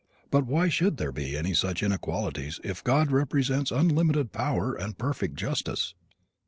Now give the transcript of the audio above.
But why should there be any such inequalities if God represents unlimited power and perfect justice?